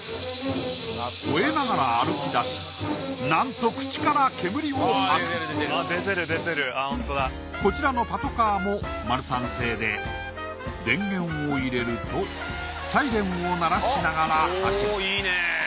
吠えながら歩き出しなんと口から煙を吐くこちらのパトカーもマルサン製で電源を入れるとサイレンを鳴らしながら走る。